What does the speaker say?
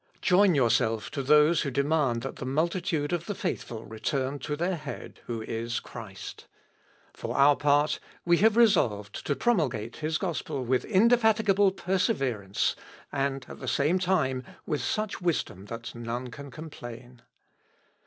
Join yourself to those who demand that the multitude of the faithful return to their head, who is Christ. For our part we have resolved to promulgate his gospel with indefatigable perseverance, and at same time with such wisdom that none can complain.